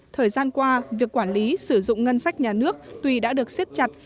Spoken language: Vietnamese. thời gian qua việc quản lý sử dụng ngân sách nhà nước tùy đã được xiết chặt